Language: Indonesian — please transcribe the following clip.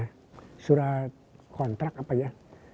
ya surat kontrak apa ya